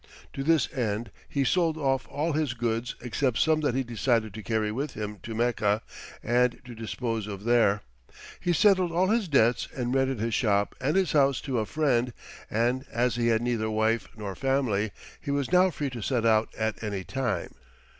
To this end he sold off all his goods except some that he decided to carry with him to Mecca and to dispose of there. He settled all his debts and rented his shop and his house to a friend, and as he had neither wife nor family, he was now free to set out at any time.